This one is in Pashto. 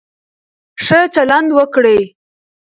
ښه چلند وکړئ.